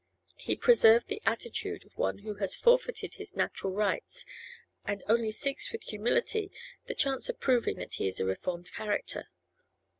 He preserved the attitude of one who has forfeited his natural rights, and only seeks with humility the chance of proving that he is a reformed character.